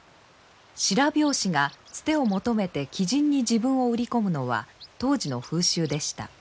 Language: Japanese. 白拍子がつてを求めて貴人に自分を売り込むのは当時の風習でした。